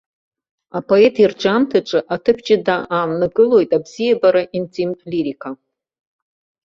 Апоет ирҿиамҭаҿы аҭыԥ ҷыда ааннакылоит абзиабара-интимтә лирика.